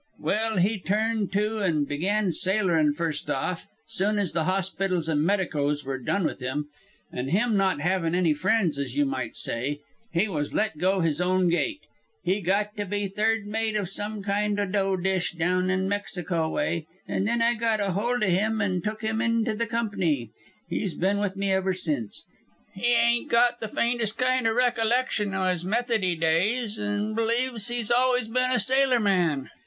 Well, he turned to an' began sailoring first off soon as the hospitals and medicos were done with him an' him not having any friends as you might say, he was let go his own gait. He got to be third mate of some kind o' dough dish down Mexico way; and then I got hold o' him an' took him into the Comp'ny. He's been with me ever since. He ain't got the faintest kind o' recollection o' his Methody days, an' believes he's always been a sailorman.